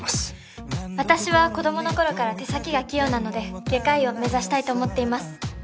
私は子供の頃から手先が器用なので外科医を目指したいと思っています。